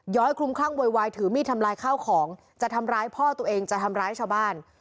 ้อยคลุมคลั่งโวยวายถือมีดทำลายข้าวของจะทำร้ายพ่อตัวเองจะทำร้ายชาวบ้าน